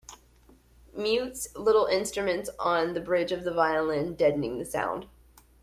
Mutes little instruments on the bridge of the violin, deadening the sound.